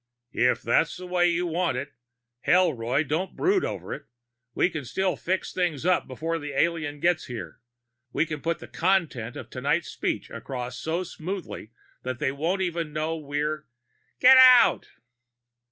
"If that's the way you want it. Hell, Roy, don't brood over it. We can still fix things up before that alien gets here. We can put the content of tonight's speech across so smoothly that they won't even know we're " "_Get out!